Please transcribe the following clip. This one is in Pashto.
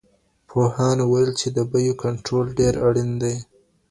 پوهانو وويل چي د بيو کنټرول ډېر اړين دی.